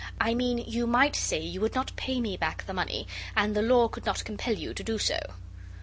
'I mean you might say you would not pay me back the money, and the law could not compel you to do so.